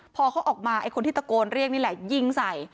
พอเขาออกมาไอ้คนที่ตะโกนเรียกนี่แหละยิงใส่